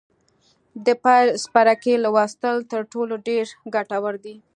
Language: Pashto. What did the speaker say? د پیل څپرکي لوستل تر ټولو ډېر ګټور دي.